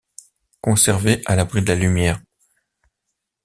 Conserver à l'abri de la lumière.